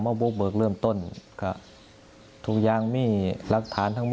มันเป็นแตครูบาไก่ครูบาไก่ไม่มีบางอย่าง